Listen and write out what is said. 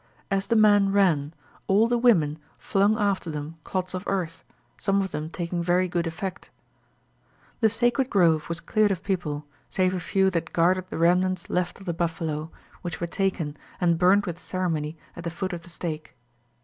As the men ran, all the women flung after them clods of earth, some of them taking very good effect. The sacred grove was cleared of people, save a few that guarded the remnants left of the buffalo, which were taken, and burnt with ceremony at the foot of the stake."